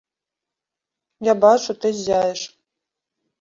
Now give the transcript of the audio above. Я бачу, ты ззяеш.